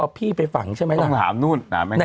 เอ้าพี่มดดำเล่นละครนะคะ